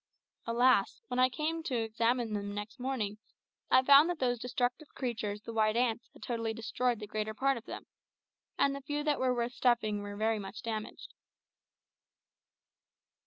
Alas! when I came to examine them next morning, I found that those destructive creatures the white ants had totally destroyed the greater part of them, and the few that were worth stuffing were very much damaged.